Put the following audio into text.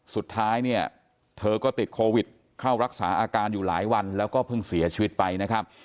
สุดท้ายเนี่ยเธอก็ติดโควิดเข้ารักษาอาการอยู่หลายวันแล้วก็เพิ่งเสียชีวิตไปนะครับ